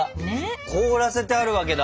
凍らせてあるわけだ。